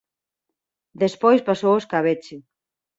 Despois pasou ao escabeche.